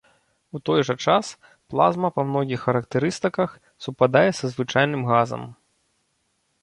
У той жа час, плазма па многіх характарыстыках супадае са звычайным газам.